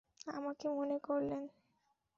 আমাকে মনে করলেন?